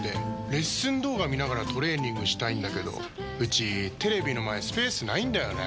レッスン動画見ながらトレーニングしたいんだけどうちテレビの前スペースないんだよねー。